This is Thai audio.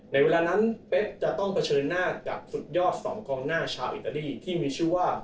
ในเวลานั้นเป๊กจะต้องเผชิญหน้ากับสุดยอด๒กองหน้าชาวอิตาลีที่มีชื่อว่า